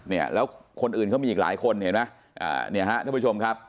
เนี่ยแล้วคนอื่นเขามีอีกหลายคนเห็นไหมอ่าเนี่ยฮะท่านผู้ชมครับ